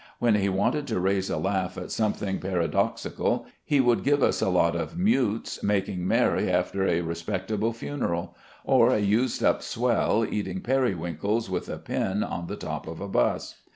When he wanted to raise a laugh at something paradoxical, he would give us a lot of mutes making merry after a respectable funeral, or a used up swell eating periwinkles with a pin on the top of a 'bus.